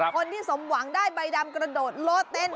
คนที่สมหวังได้ใบดำกระโดดโลดเต้น